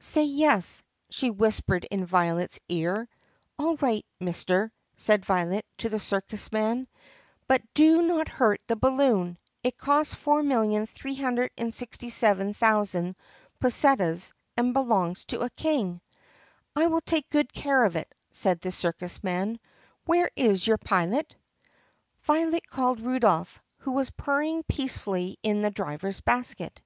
"Say yes," she whispered in Violet's ear. "All right, mister," said Violet to the circus man, "but do THE PUSSYCAT PRINCESS 37 not hurt the balloon. It cost 4,367,000 pussetas and belongs to a King." "I will take good care of it," said the circus man. "Where is your pilot*?" Violet called Rudolph, who was purring peacefully in the driver's basket.